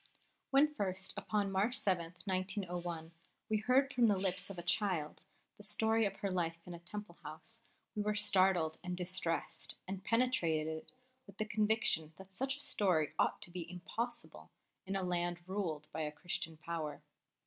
WHEN first, upon March 7, 1901, we heard from the lips of a little child the story of her life in a Temple house, we were startled and distressed, and penetrated with the conviction that such a story ought to be impossible in a land ruled by a Christian Power.